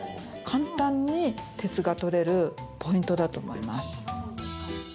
簡単に鉄がとれるポイントだと思います。